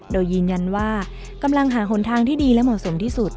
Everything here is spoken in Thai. โดยยืนยันว่ากำลังหาหนทางที่ดีและเหมาะสมที่สุด